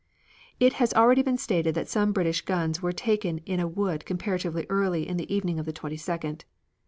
It has already been stated that some British guns were taken in a wood comparatively early in the evening of the 22d.